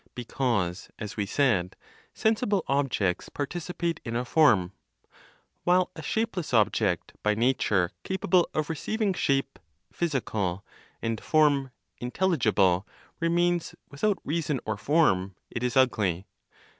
Because, as we said, sensible objects participate in a form. While a shapeless object, by nature capable of receiving shape (physical) and form (intelligible), remains without reason or form, it is ugly.